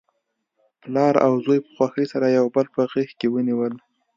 پلار او زوی په خوښۍ سره یو بل په غیږ کې ونیول.